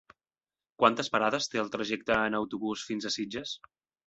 Quantes parades té el trajecte en autobús fins a Sitges?